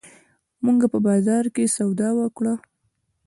مونږه په بازار کښې سودا وکړه